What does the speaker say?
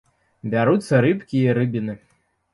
Бяруцца рыбкі і рыбіны.